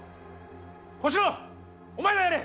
小四郎お前がやれ！